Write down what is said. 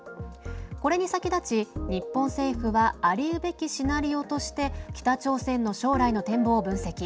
これに先立ち、日本政府はあり得べきシナリオとして北朝鮮の将来の展望を分析。